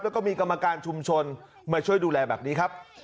แล้วก็มีกรรมการชุมชนมาช่วยดูแลแบบนี้ครับ